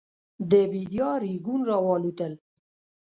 د بېدیا رېګون راوالوتل.